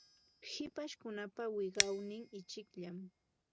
Hipashkunapa wiqawnin ichikllam.